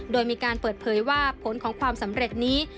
โดยมีการเปิดเผยว่าผลของความสำเร็จนี้